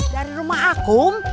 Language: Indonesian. dari rumah akum